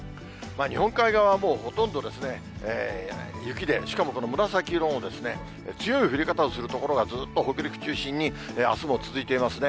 日本海側はもうほとんど雪でしかもこの紫色の強い降り方をする所がずっと北陸中心にあすも続いていますね。